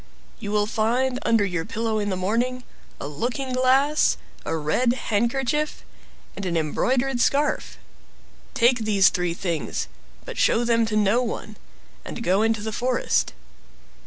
You will find under your pillow in the morning a looking glass, a red handkerchief, and an embroidered scarf. Take these three things, but show them to no one, and go to the forest.